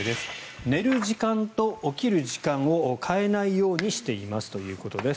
寝る時間と起きる時間を変えないようにしていますということです。